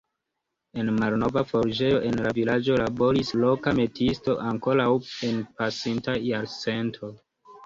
En malnova forĝejo en la vilaĝo laboris loka metiisto ankoraŭ en pasinta jarcento.